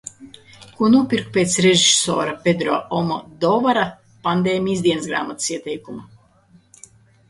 Ko nopirku pēc režisora Pedro Almodovara pandēmijas dienasgrāmatas ieteikuma.